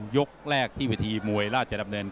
ยกแรกที่วิธีมวยราชดำเนินครับ